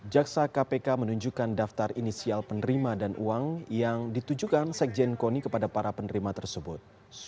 jaksa kpk menunjukkan daftar inisial penerima dan uang yang ditujukan sekjen koni kepada para penerima tersebut